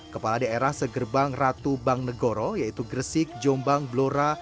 kepala daerah segerbang ratu bang negoro yaitu gresik jombang blora